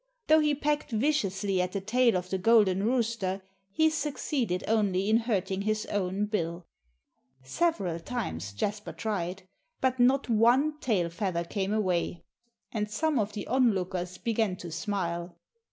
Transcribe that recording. Though he pecked viciously at the tail of the golden rooster, he succeeded only in hurting his own bill. Several times Jasper tried. But not one tail feather came away. And some of the onlookers began to smile.